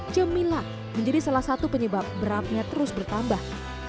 cemilan menjadi salah satu penyebab beratnya terus bertambah